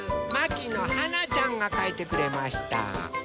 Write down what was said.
まきのはなちゃんがかいてくれました。